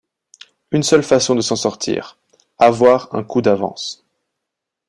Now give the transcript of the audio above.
Une seule façon de s'en sortir, avoir un coup d'avance...